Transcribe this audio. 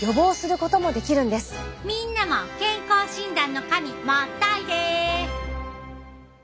みんなも健康診断の紙持っといで。